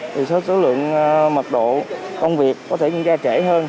thì số lượng mật độ công việc có thể diễn ra trễ hơn